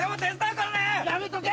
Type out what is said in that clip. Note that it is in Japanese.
やめとけ！